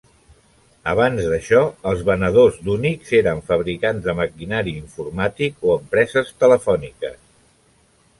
Abans d'això, els venedors d'Unix eren fabricants de maquinari informàtic o empreses telefòniques.